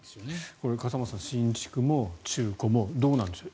これ、笠松さん新築も中古もどうなんでしょう。